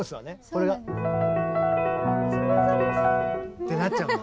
これが。ってなっちゃうんだ。